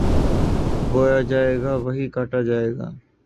بویا جائے گا، وہاں کاٹا جائے گا۔